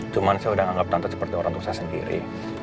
cuma saya udah anggap tante seperti orang tua saya sendiri